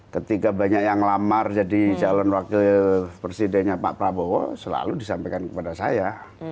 ketika banyak yang lamar jadi calon wakil presidennya pak prabowo selalu disampaikan kepada saya